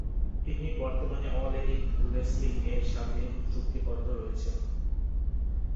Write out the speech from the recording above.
তিনি বর্তমানে all elite wrestling এর সাথে চুক্তিবদ্ধ রয়েছেন।